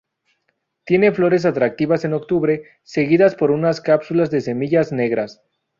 Tiene flores atractivas en octubre, seguidas por unas cápsulas de semillas negras.